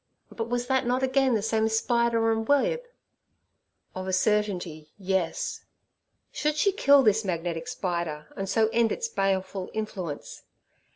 But was that not again the same spider and web? Of a certainty, yes. Should she kill this magnetic spider, and so end its baleful influence?